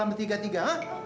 kamu di dalam tiga tiga ha